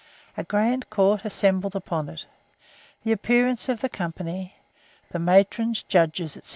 A grand court assembled upon it The appearance of the company The matrons, judges, &c.